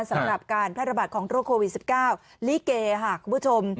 สำหรับการแพร่ระบาดของโรคโควิด๑๙ลิเกค่ะคุณผู้ชม